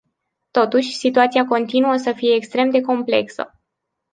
Totuși, situația continuă să fie extrem de complexă.